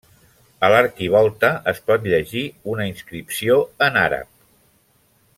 A l'arquivolta es pot llegir una inscripció en àrab.